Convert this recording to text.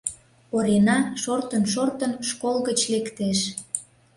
Орина, шортын-шортын, школ гыч лектеш.